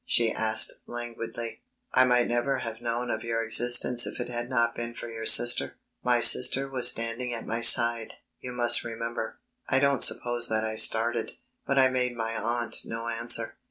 she asked languidly. "I might never have known of your existence if it had not been for your sister." My sister was standing at my side, you must remember. I don't suppose that I started, but I made my aunt no answer.